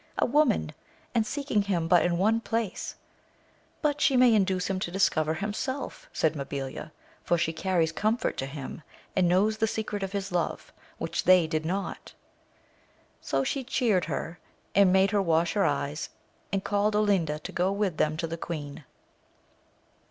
a woman ! and seeking him but in one place 1 But she may induce him to discover himself, said Mabilia, for she carries comfort to him, and knows the secret of his love, which they did not. So she cheared her, and made her wash her eyes, and called Olinda to go with them to the queen.